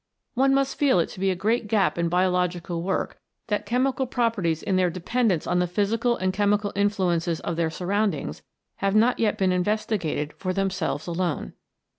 One must feel it to be a great gap in biological work that chemical properties in their dependence on the physical and chemical influences of their surroundings have not yet been investigated for themselves alone.